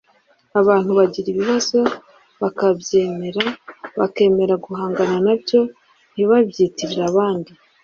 Abantu bagira ibibazo bakabyemera bakemera guhangana na byo ntibabyitirire abandi